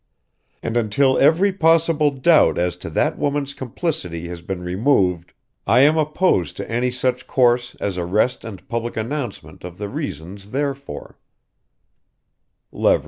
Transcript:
And until every possible doubt as to that woman's complicity has been removed, I am opposed to any such course as arrest and public announcement of the reasons therefor."